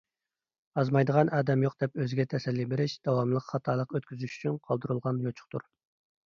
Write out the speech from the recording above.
ئازمايدىغان ئادەم يوق دەپ ئۆزىگە تەسەللى بېرىش — داۋاملىق خاتالىق ئۆتكۈزۈش ئۈچۈن قالدۇرۇلغان يوچۇقتۇر.